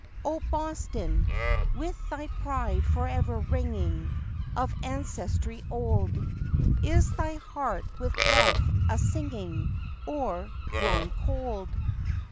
O Boston! With thy pride forever ringing Of ancestry old, Is thy heart with love a singing Or grown cold?